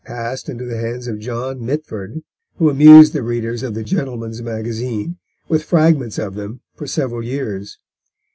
passed into the hands of John Mitford, who amused the readers of The Gentleman's Magazine with fragments of them for several years.